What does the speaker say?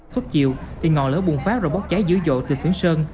suốt chiều thì ngọn lỡ bùng phát rồi bóp cháy dưới dộ